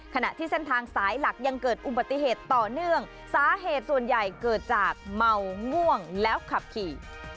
ขณะที่เส้นทางสายหลักยังเกิดอุบัติเหตุต่อเนื่องสาเหตุส่วนใหญ่เกิดจากเมาง่วงแล้วขับขี่